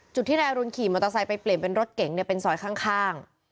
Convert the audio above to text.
จุดที่นายอรุณขี่มอเตอร์ไซค์ไปเปลี่ยนเป็นรถเก๋งเป็นซอยข้าง